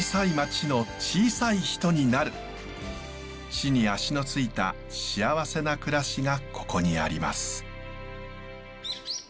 地に足の着いた幸せな暮らしがここにあります。